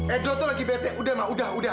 edo tuh lagi bete udah ma udah udah